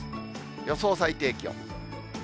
予想最低気温。